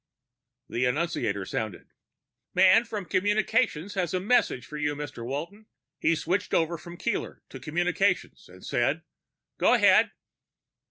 The annunciator sounded. "Man from communications has a message for you, Mr. Walton." He switched over from Keeler to communications and said, "Go ahead."